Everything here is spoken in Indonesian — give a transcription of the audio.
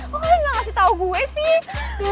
kok kalian gak ngasih tau gue sih